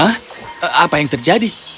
hah apa yang terjadi